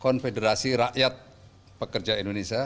konfederasi rakyat pekerja indonesia